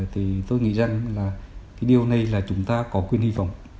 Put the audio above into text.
thì tôi nghĩ rằng điều này là chúng ta có quyền hy vọng